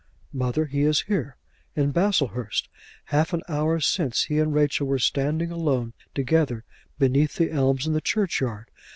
"Mother, he is here, in Baslehurst! Half an hour since he and Rachel were standing alone together beneath the elms in the churchyard.